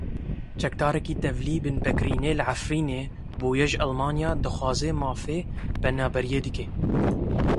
Çekdarekî tevlî binpêkirinên li Efrînê bûye ji Almanya daxwaza mafê penaberiyê dike.